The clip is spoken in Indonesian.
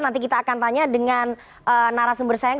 nanti kita akan tanya dengan narasumber sayang